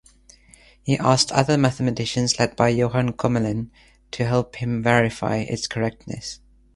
He asked other mathematicians led by Johan Commelin to help him verify its correctness.